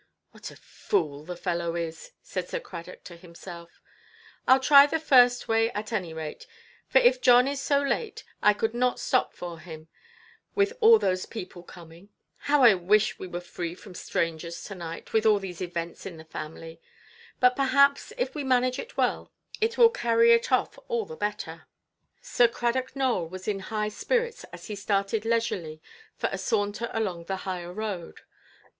"What a fool the fellow is"! said Sir Cradock to himself; "Iʼll try the first way, at any rate. For if John is so late, I could not stop for him, with all those people coming. How I wish we were free from strangers to–night, with all these events in the family! But perhaps, if we manage it well, it will carry it off all the better". Sir Cradock Nowell was in high spirits as he started leisurely for a saunter along the higher road.